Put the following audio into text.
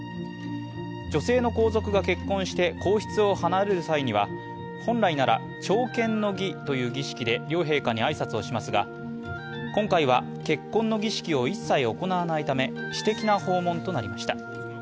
女性の皇族が結婚して皇室を離れる際には本来なら朝見の儀という儀式で両陛下に挨拶をしますが今回は結婚の儀式を一切行わないため私的な訪問となりました。